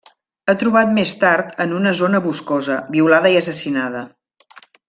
Ha trobat més tard en una zona boscosa, violada i assassinada.